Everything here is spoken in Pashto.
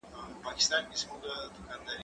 زه بايد بازار ته ولاړ سم!.